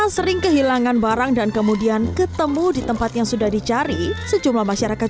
sering kehilangan barang dan kemudian ketemu di tempat yang sudah dicari sejumlah masyarakat